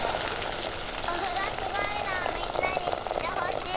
おふがすごいのをみんなにしってほしい。